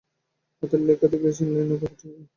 হাতের লেখা দেখেই চিনলেন রূপার চিঠি।